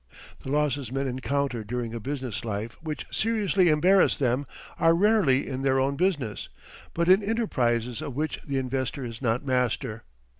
The losses men encounter during a business life which seriously embarrass them are rarely in their own business, but in enterprises of which the investor is not master.